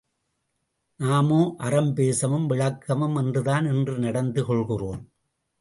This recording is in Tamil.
நாமோ அறம் பேசவும் விளக்கவும் என்றுதான் இன்று நடந்து கொள்கிறோம்.